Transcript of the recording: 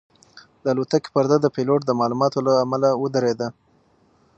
د الوتکې پرده د پیلوټ د معلوماتو له امله ودرېده.